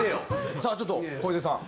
さあちょっと小出さん。